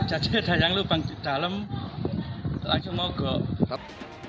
jadi ada yang lubang di dalam lagi mogok